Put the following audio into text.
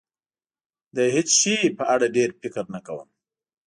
د هېڅ شي په اړه ډېر فکر نه کوم.